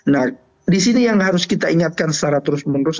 nah di sini yang harus kita ingatkan secara terus menerus